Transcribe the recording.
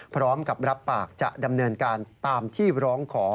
พร้อมกับรับปากจะดำเนินการตามที่ร้องขอ